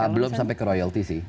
belum sampai ke royalt sih